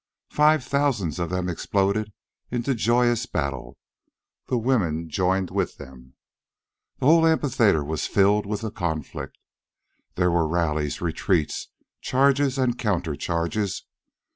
Five thousands of them exploded into joyous battle. The women joined with them. The whole amphitheater was filled with the conflict. There were rallies, retreats, charges, and counter charges.